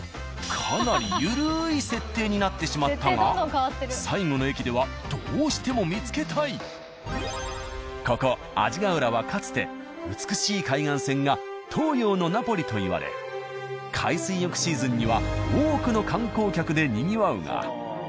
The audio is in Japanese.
かなり緩い設定になってしまったがここ阿字ヶ浦はかつて美しい海岸線が「東洋のナポリ」といわれ海水浴シーズンには多くの観光客でにぎわうが。